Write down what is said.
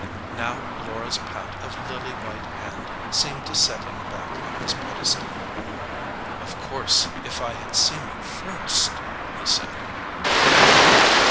Now Laura s pat of lily white hand seemed to set him back on his pedestal. "Of course, if I had seen you first " he said.